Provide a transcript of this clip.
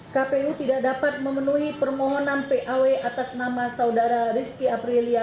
kpu tidak dapat memenuhi permohonan paw atas nama saudara rizky aprilia